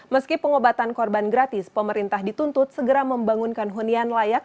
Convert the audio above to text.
meski pengobatan korban gratis pemerintah dituntut segera membangunkan hunian layak